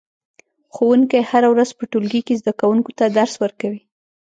ښوونکی هره ورځ په ټولګي کې زده کوونکو ته درس ورکوي